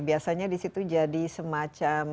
biasanya disitu jadi semacam